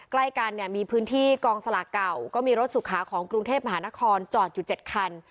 ใกล้กันเนี่ยมีพื้นที่กองสลากเก่าก็มีรถสุขาของกรุงเทพมหานครจอดอยู่๗คัน